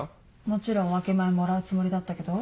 もちろん分け前もらうつもりだったけど。